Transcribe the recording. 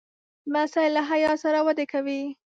لمسی له حیا سره وده کوي.